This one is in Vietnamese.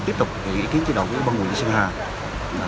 tiếp tục kể ý kiến chế độ của địa bàn huyện sơn hà